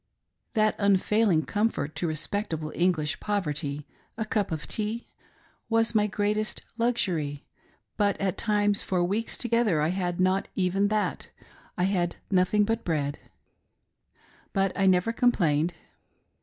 That unfailing comfort to respectablfe Eiiglish poverty — a Cup of tea— was my greatest luxury, but at times far wteeks together I had not even that ; I had no thing but bread — but I never fcOmplained.